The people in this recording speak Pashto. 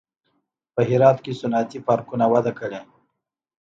په هرات کې صنعتي پارکونه وده کړې